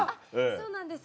そうなんです。